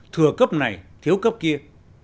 thừa cấp này thiếu cấp kia